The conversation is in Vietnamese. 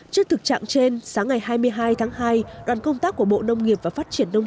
trước thực trạng trên sáng ngày hai mươi hai tháng hai đoàn công tác của bộ nông nghiệp và phát triển đông